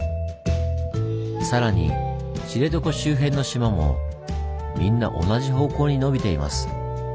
更に知床周辺の島もみんな同じ方向にのびています。